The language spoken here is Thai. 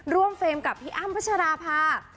ร่วมเฟรมกับพี่อ้ำพจรภาพ